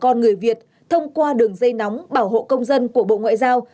con người việt thông qua đường dây nóng bảo hộ công dân của bộ ngoại giao